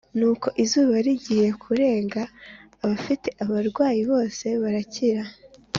Nuko izuba rigiye kurenga abafite abarwayi bose barakira